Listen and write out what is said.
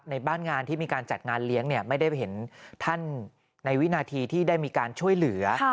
ในบ้านงานที่มีการจัดงานเลี้ยงไม่ได้เห็นท่านในวินาทีที่ได้มีการช่วยเหลือ